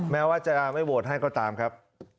แม้ว่าจะไม่โหวตให้ก็ตามครับ